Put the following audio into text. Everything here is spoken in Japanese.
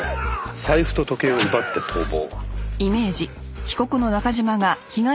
財布と時計を奪って逃亡。